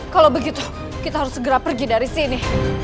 kalau begitu kita harus segera pergi dari sini